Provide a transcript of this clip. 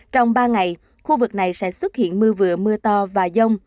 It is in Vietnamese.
trong ba ngày khu vực này sẽ xuất hiện mưa vừa mưa to và rông